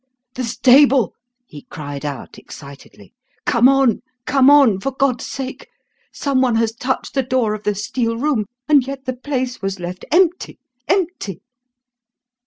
"The stable!" he cried out excitedly. "Come on, come on, for God's sake! Someone has touched the door of the steel room; and yet the place was left empty empty!"